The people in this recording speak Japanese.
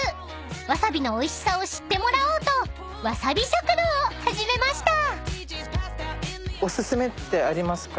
［わさびのおいしさを知ってもらおうとわさび食堂を始めました］